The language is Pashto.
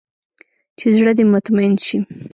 چې زړه دې مطمين سي.